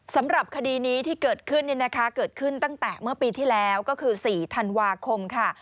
สำหรับคดีนี้ที่เกิดขึ้นเกิดขึ้นตั้งแต่เมื่อปีที่แล้วก็คือ๔ธันวาคมค่ะ